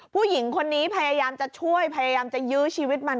ผู้หญิงคนนี้พยายามจะช่วยพยายามจะยื้อชีวิตมัน